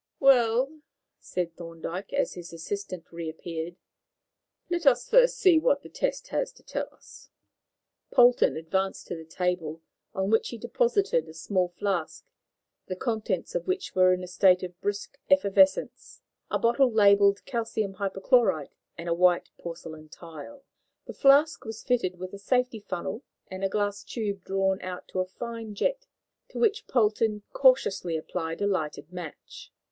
"Well," said Thorndyke, as his assistant reappeared, "let us first see what the test has to tell us." Polton advanced to the table, on which he deposited a small flask, the contents of which were in a state of brisk effervescence, a bottle labelled "calcium hypochlorite," and a white porcelain tile. The flask was fitted with a safety funnel and a glass tube drawn out to a fine jet, to which Polton cautiously applied a lighted match.